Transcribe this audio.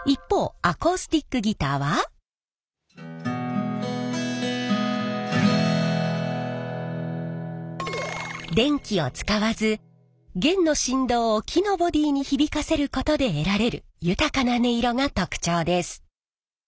まずは一方電気を使わず弦の振動を木のボディーに響かせることで得られる豊かな音色が特徴です。